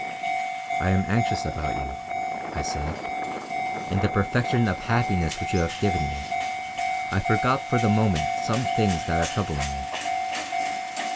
"I am anxious about you" I said. "In the perfection of happiness which you have given me, I forgot for the moment some things that are troubling me."